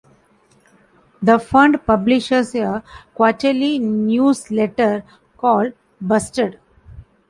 The Fund publishes a quarterly newsletter called Busted!